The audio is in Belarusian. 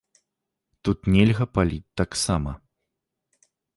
Тут нельга паліць таксама.